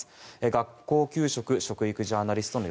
学校給食・食育ジャーナリストの